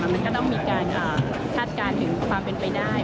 มันก็ต้องมีการคาดการณ์ถึงความเป็นไปได้